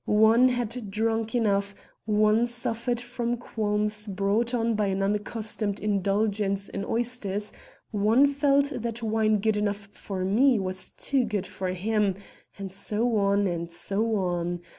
One had drunk enough; one suffered from qualms brought on by an unaccustomed indulgence in oysters; one felt that wine good enough for me was too good for him, and so on and so on.